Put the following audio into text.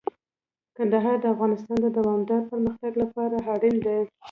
کندهار د افغانستان د دوامداره پرمختګ لپاره اړین دي.